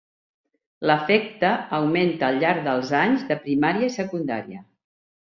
L'efecte augmenta al llarg dels anys de primària i secundària.